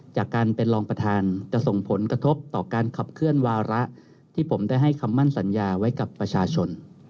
จะส่งผลกระทบต่อการขับเคลื่อนวาระที่ผมได้ให้คำมั่นสัญญาไว้กับประชาชน